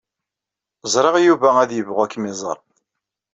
Ẓriɣ Yuba ad yebɣu ad kem-iẓer.